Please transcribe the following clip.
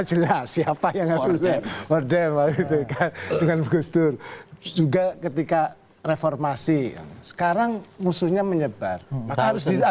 jelas siapa yang harusnya juga ketika reformasi sekarang musuhnya menyebar harus disatukan